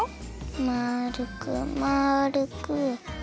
まるくまるく。